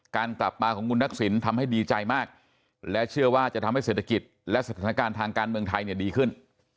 การกลับมาของคุณทักษิณทำให้ดีใจมากและเชื่อว่าจะทำให้เศรษฐกิจและสถานการณ์ทางการเมืองไทยเนี่ยดีขึ้น